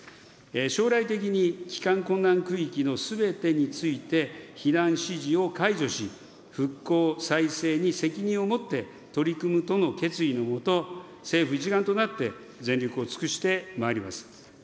将来的に帰還困難区域のすべてについて、避難指示を解除し、復興再生に責任を持って取り組むとの決意の下、政府一丸となって全力を尽くしてまいります。